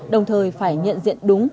đồng thời phải nhận diện đúng